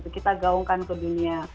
kita gaungkan ke dunia